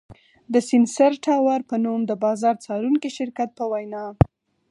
د سېنسر ټاور په نوم د بازار څارونکي شرکت په وینا